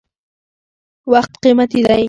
• وخت قیمتي دی.